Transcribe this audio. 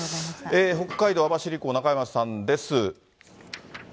北海道網走港、中山さんです。